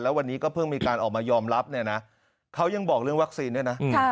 วันนี้ก็เพิ่งมีการออกมายอมรับเนี่ยนะเขายังบอกเรื่องวัคซีนด้วยนะ